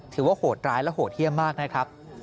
ถือว่าโหดร้ายและโหดเฮียบมากนะครับ